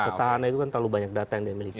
petahana itu kan terlalu banyak data yang dia miliki